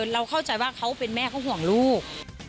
เราเข้าใจว่าเขาเป็นแม่เขาห่วงลูก